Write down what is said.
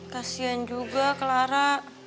kasian juga clara